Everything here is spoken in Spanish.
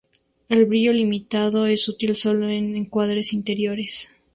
El brillo limitado es útil sólo en encuadres interiores.